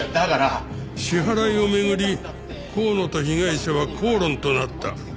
支払いを巡り香野と被害者は口論となった。